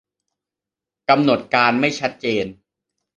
- กำหนดการไม่ชัดเจน